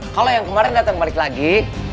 kalau yang kemarin datang balik lagi